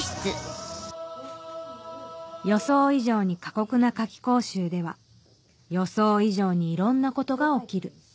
予想以上に過酷な夏期講習では予想以上にいろんなことが起きる・キャ！